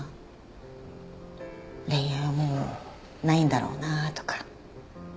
恋愛はもうないんだろうなとか。